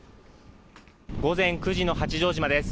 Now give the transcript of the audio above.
午前９時の八丈島です。